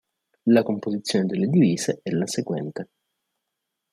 La composizione delle divise è la seguente:.